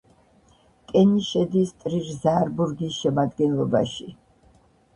კენი შედის ტრირ-ზაარბურგის შემადგენლობაში.